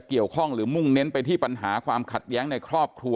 เกี่ยวข้องหรือมุ่งเน้นไปที่ปัญหาความขัดแย้งในครอบครัว